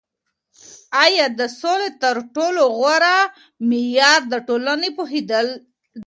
آیا د سولي تر ټولو غوره معیار د ټولني پوهیدل ده؟